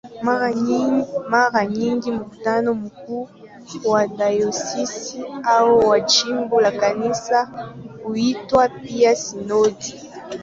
Mara nyingi mkutano mkuu wa dayosisi au wa jimbo la Kanisa huitwa pia "sinodi".